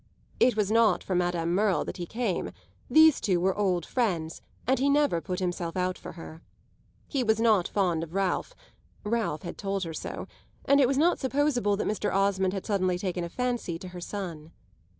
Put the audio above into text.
It was not for Madame Merle that he came; these two were old friends and he never put himself out for her. He was not fond of Ralph Ralph had told her so and it was not supposable that Mr. Osmond had suddenly taken a fancy to her son.